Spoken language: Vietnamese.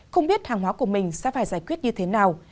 không biết hàng hóa của mình sẽ phải giải quyết như thế nào